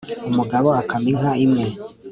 umugabo akama inka imwe